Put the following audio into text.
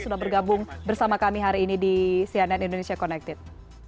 sudah bergabung bersama kami hari ini di cnn indonesia connected